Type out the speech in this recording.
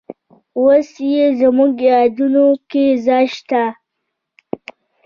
اوس یې زموږ یادونو کې ځای شته.